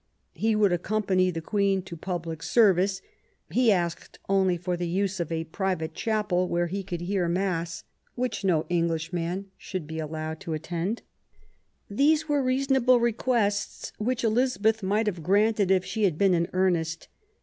He would accompany the Queen to public service; he ELIZABETH AND MARY STUART. loi asked only for the use of a private chapel where he could hear Mass, which no Englishman should be allowed to attend. These were reasonable requests, which Elizabeth might have granted if she had been in earnest.